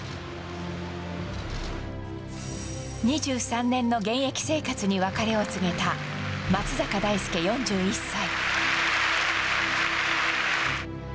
２３年の現役生活に別れを告げた松坂大輔、４１歳。